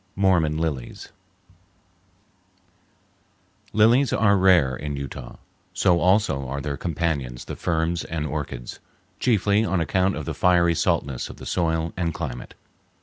Mormon Lilies Lilies are rare in Utah; so also are their companions the ferns and orchids, chiefly on account of the fiery saltness of the soil and climate.